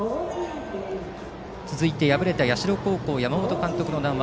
続いて敗れた社高校山本監督の談話